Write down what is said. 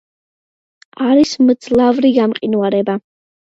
არის მძლავრი გამყინვარება.